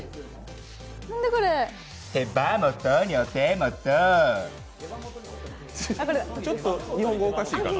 手羽元にお手元ちょっと日本語、おかしいかな？